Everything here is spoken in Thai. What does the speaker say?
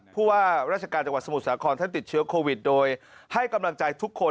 ผู้ว่าราชการจังหวัดสมุทรสาครท่านติดเชื้อโควิดโดยให้กำลังใจทุกคน